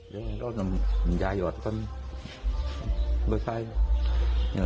หนักความฝี่เหล้ม